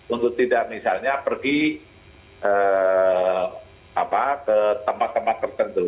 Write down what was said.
untuk tidak misalnya pergi ke tempat tempat tertentu